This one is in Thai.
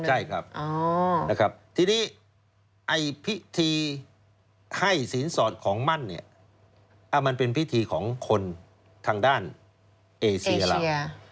ใช่ครับนะครับทีนี้ไอ้พิธีให้สินสอดของมั่นเนี่ยมันเป็นพิธีของคนทางด้านเอเซียเรา